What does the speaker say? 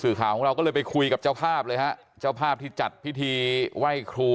ข่าวของเราก็เลยไปคุยกับเจ้าภาพเลยฮะเจ้าภาพที่จัดพิธีไหว้ครู